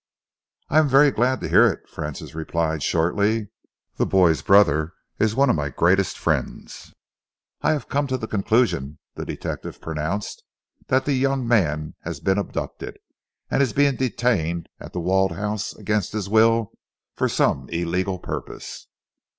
"I am very glad to hear it," Francis replied shortly. "The boy's brother is one of my greatest friends." "I have come to the conclusion," the detective pronounced, "that the young man has been abducted, and is being detained at The Walled House against his will for some illegal purpose."